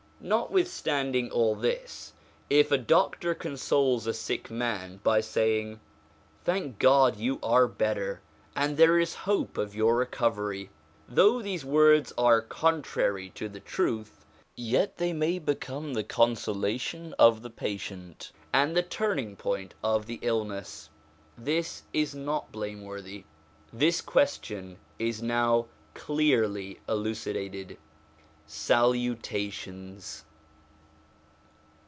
Notwithstanding all this, if a doctor consoles a sick man by saying :' Thank God you are better, and there is hope of your recovery/ though these words are contrary to the truth, yet they may become the consolation of the patient and the 'turning point of the illness. This is not blameworthy. This question is now clearly elucidated. Salutations